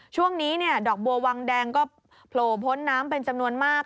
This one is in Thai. ช่วงนี้เนี่ยดอกบัววังแดงก็โผล่พ้นน้ำเป็นจำนวนมาก